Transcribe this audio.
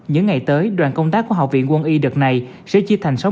những ngày tới đoàn công tác của học viện quân y đợt này sẽ chia thành sáu